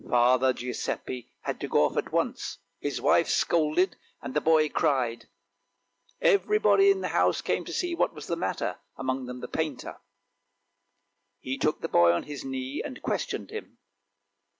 " Father Giuseppe had to go off at once, his wife scolded, and the boy cried ; everybody in the house came to see what was the matter, among them the painter. He took the boy on his knee and questioned him.